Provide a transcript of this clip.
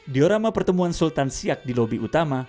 diorama pertemuan sultan siak di lobi utama